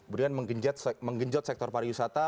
kemudian menggenjot sektor pariwisata